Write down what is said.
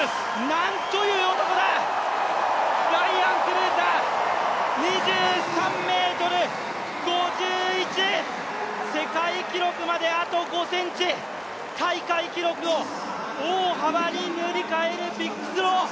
何という男だ、ライアン・クルーザー、２３ｍ５１、世界記録まであと５ｃｍ、大会記録を大幅に塗り替えるビッグスロー。